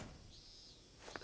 え？